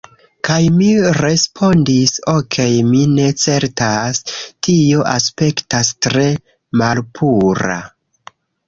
Kaj mi respondis, "Okej' mi ne certas... tio aspektas tre malpura..."